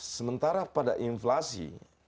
nah sementara pada inflasi